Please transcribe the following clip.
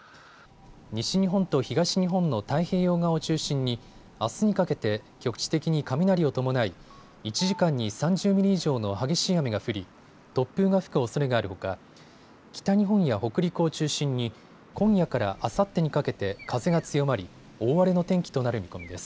西日本と東日本の太平洋側を中心にあすにかけて局地的に雷を伴い１時間に３０ミリ以上の激しい雨が降り、突風が吹くおそれがあるほか北日本や北陸を中心に今夜からあさってにかけて風が強まり、大荒れの天気となる見込みです。